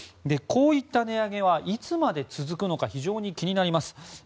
こういった値上げはいつまで続くのか非常に気になります。